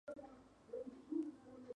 En ellas habitan varias especies limícolas.